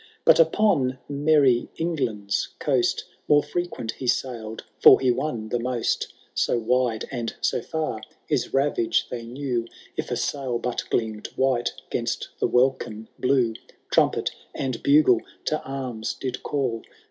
But upon merry Englaad^B coast More fi«quent he sail'd, for he won the most. So wide and so £eii his rayage they knew. If a sail but gleam*d white 'gainst the welkin blue. Trumpet and bugle to arms did call.